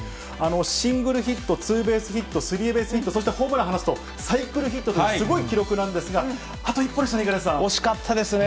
シングルヒット、ツーベースヒット、スリーベースヒット、そしてホームラン放つと、サイクルヒットというすごい記録なんですが、あと一歩でしたね、惜しかったですね。